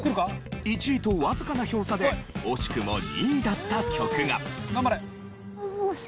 １位とわずかな票差で惜しくも２位だった曲が。